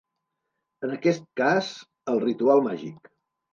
En aquest cas, el ritual màgic.